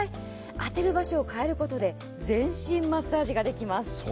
当てる場所を変えることで全身マッサージできます。